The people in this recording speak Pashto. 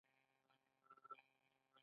د بېلګې په توګه دواړه بالغ انسانان دي.